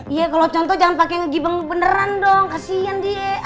iya kalau contoh jangan pakai ngegibeng beneran dong kasihan dia